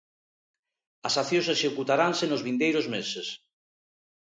As accións executaranse nos vindeiros meses.